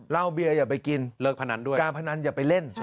เล่าเบียร์อย่าไปกินการพนันอย่าไปเล่น